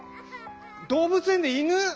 動物園で犬？